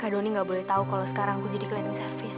kak doni gak boleh tau kalo sekarang aku jadi cleaning service